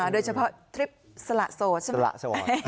โดยเฉพาะทริปสละโสดใช่ไหมสละโสด